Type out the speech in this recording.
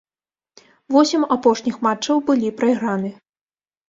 Восем апошніх матчаў былі прайграны.